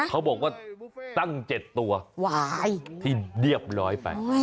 เขาบอกว่าตั้ง๗ตัวที่เรียบร้อยไป